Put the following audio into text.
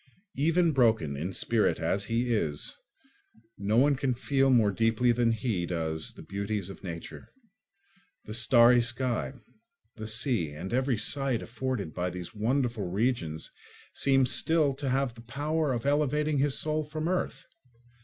Even broken in spirit as he is, no one can feel more deeply than he does the beauties of nature. The starry sky, the sea, and every sight afforded by these wonderful regions seem still to have the power of elevating his soul from earth.